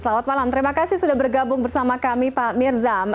selamat malam terima kasih sudah bergabung bersama kami pak mirzam